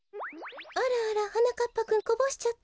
あらあらはなかっぱくんこぼしちゃった？